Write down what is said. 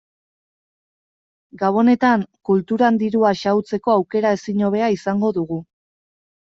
Gabonetan kulturan dirua xahutzeko aukera ezin hobea izango dugu.